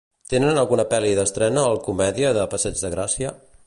Tenen alguna pel·li d'estrena al Comèdia de Passeig de Gràcia?